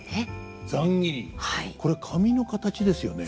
これ髪の形ですよね。